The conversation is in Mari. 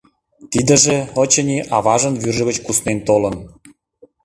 Тидыже, очыни, аважын вӱржӧ гыч куснен толын.